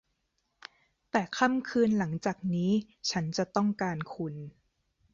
แต่ค่ำคืนหลังจากนี้ ฉันจะต้องการคุณ